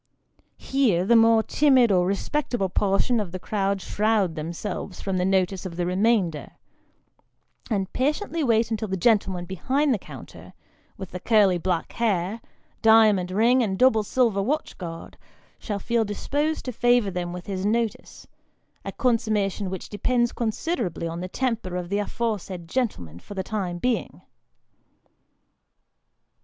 Here, the more timid or respectable portion of the crowd shroud themselves from the notice of the remainder, and patiently wait until the gentleman behind the counter, with the curly black hair, diamond ring, and double silver watch guard, shall feel disposed to favour them with his notice a consummation which depends considerably on the temper of the afore said gentleman for the time being.